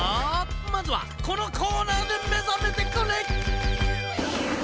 まずはこのコーナーでめざめてくれ！